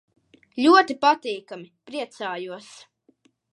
Ļoti patīkami. Priecājos.